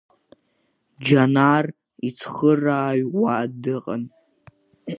Џьанар ицхырааҩ уа дыҟан.